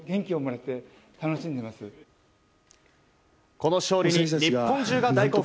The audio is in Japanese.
この勝利に日本中が大興奮。